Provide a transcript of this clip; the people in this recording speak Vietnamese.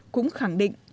cũng khẳng định